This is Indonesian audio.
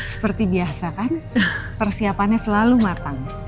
seperti biasa kan persiapannya selalu matang